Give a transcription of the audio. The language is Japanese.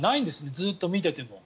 ずっと見ていても。